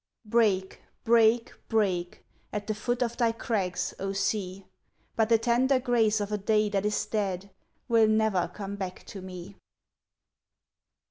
Break, break, break, At the foot of thy crags, O sea! But the tender grace of a day that is dead Will never come back to me.